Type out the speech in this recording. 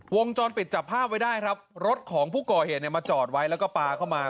วงจรปิดจับภาพไว้ได้ครับรถของผู้ก่อเหตุเนี่ยมาจอดไว้แล้วก็ปลาเข้ามา